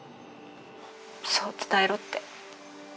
そう伝えろって。